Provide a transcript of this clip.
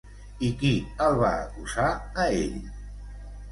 I qui el va acusar a ell?